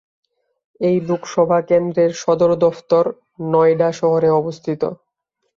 এই লোকসভা কেন্দ্রের সদর দফতর নয়ডা শহরে অবস্থিত।